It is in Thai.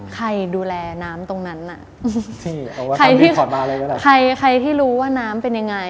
ใครดูแลน้ำตรงนั้นน่ะใครที่รู้ว่าน้ำเป็นยังไง